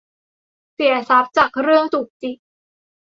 เสียทรัพย์จากเรื่องจุกจิก